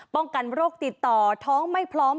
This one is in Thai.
ป้องกันโรคติดต่อท้องไม่พร้อม